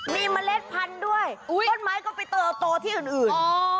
มีเมล็ดพันธุ์ด้วยต้นไม้ก็ไปเติบโตที่อื่น